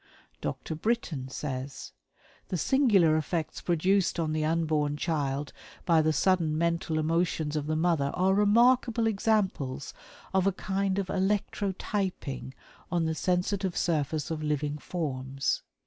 '" Dr. Brittain says: "The singular effects produced on the unborn child by the sudden mental emotions of the mother are remarkable examples of a kind of electrotyping on the sensitive surface of living forms.